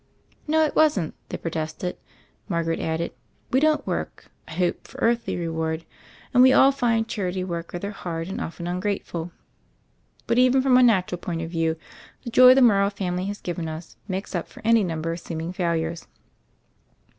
"No, it wasn't," they protested. Margaret added: "We don't work, I hope, for earthly' reward; and we all find charity work rather hard and often ungrateful. But even from a natural point of view, the joy the Morrow family has given us makes up for any number of seeming failures."